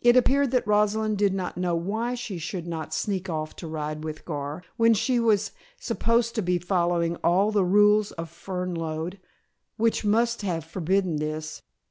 It appeared that Rosalind did not know why she should not "sneak off to ride with Gar" when she was supposed to be following all the rules of Fernlode, which must have forbidden this.